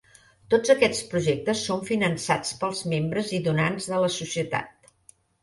Tots aquests projectes són finançats pels membres i donants de la Societat.